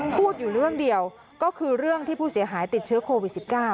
พูดอยู่เรื่องเดียวก็คือเรื่องที่ผู้เสียหายติดเชื้อโควิด๑๙